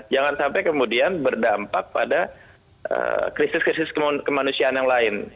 jangan sampai kemudian berdampak pada krisis krisis kemanusiaan yang lain